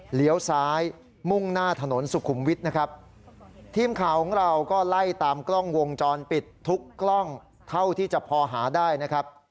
เลี้ยวซ้ายมุ่งหน้าถนนสุขุมวิทย์นะครับทีมข่าวของเราก็ไล่ตามกล้องวงจรปิดทุกกล้องเท่าที่จะพอหาได้นะครับ